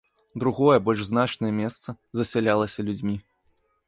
Другое, больш значнае месца, засялялася людзьмі.